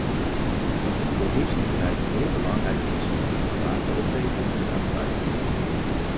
Dat het cohesiebeleid heel belangrijk is en resultaten oplevert staat buiten kijf.